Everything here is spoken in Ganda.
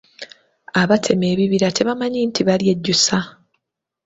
Abatema ebibira tebamanyi nti balyejjusa.